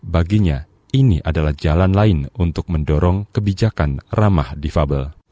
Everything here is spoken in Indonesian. baginya ini adalah jalan lain untuk mendorong kebijakan ramah difabel